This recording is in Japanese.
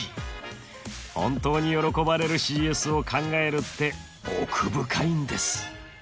本当に喜ばれるＣＳを考えるって奥深いんです。